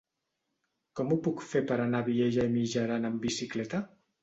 Com ho puc fer per anar a Vielha e Mijaran amb bicicleta?